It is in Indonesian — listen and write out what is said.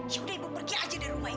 ya udah ibu pergi aja dari rumah ini